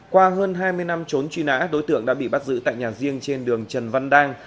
qua hơn hai mươi năm trốn truy nã đối tượng đã bị bắt giữ tại nhà riêng trên đường trần văn đang